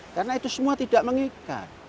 karena itu semua tidak mengikat